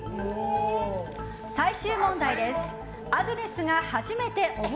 最終問題です。